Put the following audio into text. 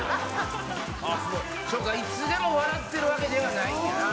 いつでも笑ってるわけではないんやな。